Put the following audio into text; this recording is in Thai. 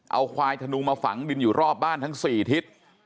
เอาควายถนูมาฝังวิญญาณดรอบบ้านทั้งสี่ทิศ